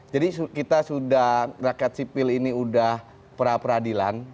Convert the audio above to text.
jadi kita sudah rakyat sipil ini sudah perapradilan